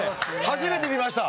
初めて見ました。